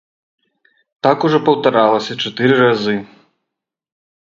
Так ужо паўтаралася чатыры разы.